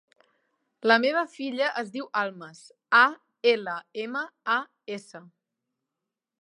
La meva filla es diu Almas: a, ela, ema, a, essa.